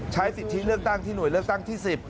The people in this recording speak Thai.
ใช้สิทธิเลือกตั้งที่หน่วยเลือกตั้งที่๑๐